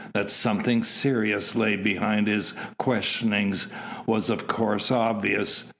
That something serious lay behind his questionings was of course obvious.